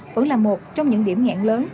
vẫn là một trong những điểm ngạn lớn